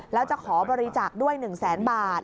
แล้วจะขอบริจาคด้วย๑แสนบาท